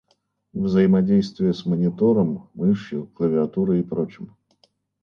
Взаимодействие с монитором, мышью, клавиатурой и прочим